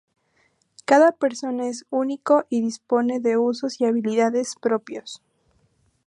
Cada Persona es único y dispone de usos y habilidades propios.